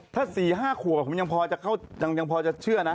ถ้าสี่ห้าขวบมันยังพอจะเข้ายังพอจะเชื่อนะ